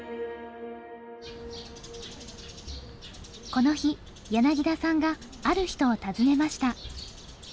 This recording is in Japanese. この日柳田さんがある人を訪ねました。